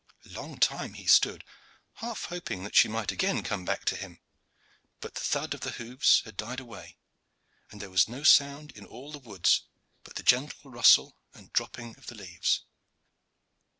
Long time he stood, half hoping that she might again come back to him; but the thud of the hoofs had died away, and there was no sound in all the woods but the gentle rustle and dropping of the leaves.